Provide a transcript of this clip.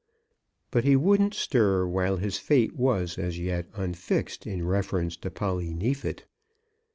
But he wouldn't stir while his fate was as yet unfixed in reference to Polly Neefit.